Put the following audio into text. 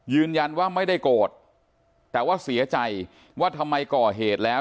ยืนยันว่าไม่ได้โกรธแต่ว่าเสียใจว่าทำไมก่อเหตุแล้ว